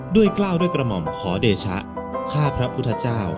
กล้าวด้วยกระหม่อมขอเดชะข้าพระพุทธเจ้า